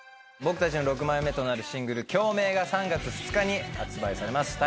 僕たちの６枚目となるシングル、共鳴が３月２日に発売されます。